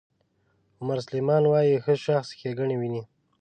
عمر سلیمان وایي ښه شخص ښېګڼې ویني.